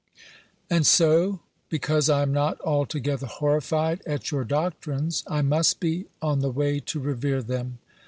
And so because I am not altogether horrified at your doctrines, I must be on the way to revere them